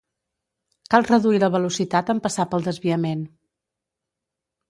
Cal reduir la velocitat en passar pel desviament